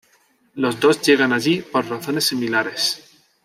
Los dos llegan allí por razones similares.